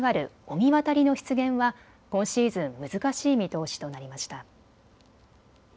神渡りの出現は今シーズン難しい見通しとなりました。